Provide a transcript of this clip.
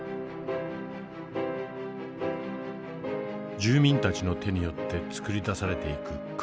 住民たちの手によって作り出されていく暗闇。